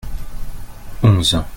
onze.